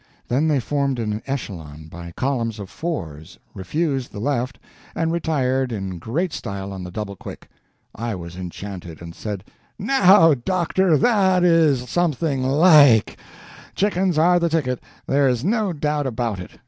Then they formed in echelon, by columns of fours, refused the left, and retired in great style on the double quick. I was enchanted, and said: "Now, doctor, that is something like! Chickens are the ticket, there is no doubt about it.